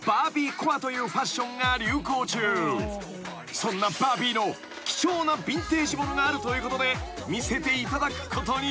［そんなバービーの貴重なビンテージ物があるということで見せていただくことに］